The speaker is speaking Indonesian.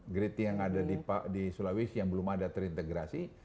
grade yang ada di sulawesi yang belum ada terintegrasi